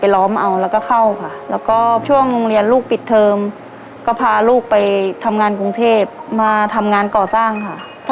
ลองลองเสียงงูธุลขวด